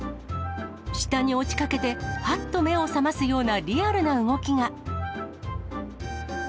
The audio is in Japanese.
下に落ちかけて、はっと目を覚ますようなリアルな動きが。